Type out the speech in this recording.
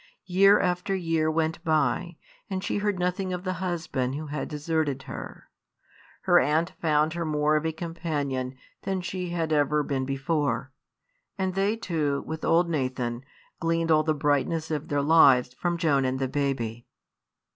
Year after year went by, and she heard nothing of the husband who had deserted her. Her aunt found her more of a companion than she had ever been before; and they two, with old Nathan, gleaned all the brightness of their lives from Joan and the baby.